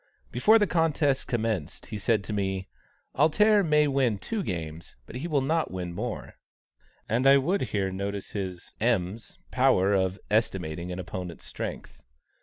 Before the contest commenced, he said to me: "'Alter' may win two games, but he will not win more;" and I would here notice his (M.'s) power of estimating an opponent's strength.